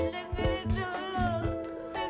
tengok ini dulu